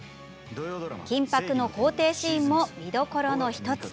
緊迫の法廷シーンも見どころの１つ。